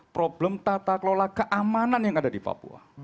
problem tata kelola keamanan yang ada di papua